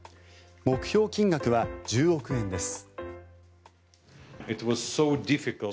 目標金額は１０億円です。